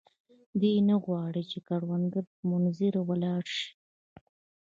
دی نه غواړي چې د کروندګرو په منظره ولاړ شي.